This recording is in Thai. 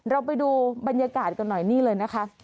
เราไปดูบรรยากาศกันหน่อยนี่เลยนะคะ